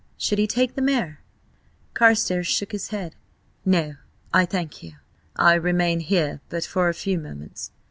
. Should he take the mare? Carstares shook his head. "No, I thank you. I remain here but a few moments.